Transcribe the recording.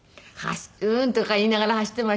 「うん」とか言いながら走っていましたね。